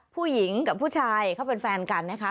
ผู้หญิงกับผู้ชายเขาเป็นแฟนกันนะคะ